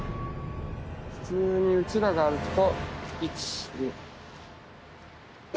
普通にうちらが歩くと１２。